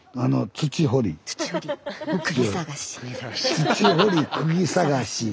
「土掘り釘探し」。